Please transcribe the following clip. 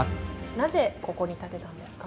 なぜここに建てたんですか？